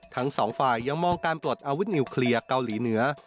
ทั้งสองฝ่ายยังมองการปลดอาวุธนิวเคลียร์เกาหลีเหนือ